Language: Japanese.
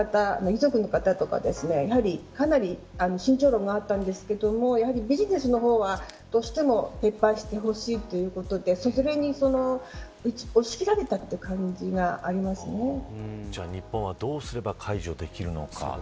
遺族の方とかかなり慎重論があったんですがやはりビジネスの方がどうしても撤廃してほしいということでそこに押し切られたとじゃあ日本はどうすれば解除できるのか。